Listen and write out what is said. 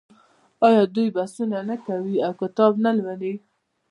آیا دوی بحثونه نه کوي او کتاب نه لوالي؟